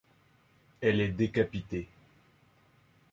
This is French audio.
Elle est décapitée.